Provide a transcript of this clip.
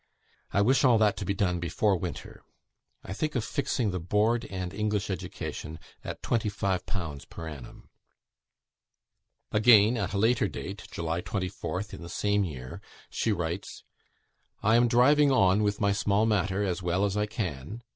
I wish all that to be done before winter. I think of fixing the board and English education at 25_l_. per annum." Again, at a later date, July 24th, in the same year, she writes: "I am driving on with my small matter as well as I can.